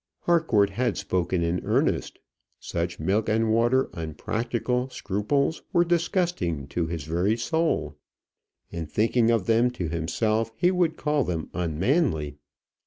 Harcourt had spoken in earnest. Such milk and water, unpractical scruples were disgusting to his very soul. In thinking of them to himself, he would call them unmanly.